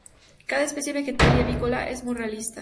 Cada especie vegetal y avícola es muy realista.